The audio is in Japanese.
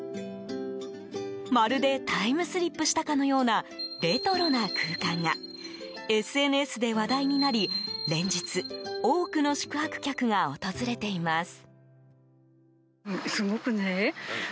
まるでタイムスリップしたかのようなレトロな空間がＳＮＳで話題になり連日多くの宿泊客が訪れています。